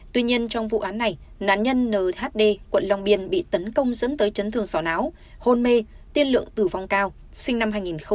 tuy nhiên trong vụ án này nạn nhân nhd quận long biên bị tấn công dẫn tới trấn thương sỏ náo hôn mê tiên lượng tử vong cao sinh năm hai nghìn một mươi